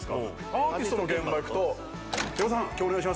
アーティストの現場行くと「平子さん今日お願いします」